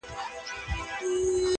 په ښکلا یې له هر چا وو میدان وړی -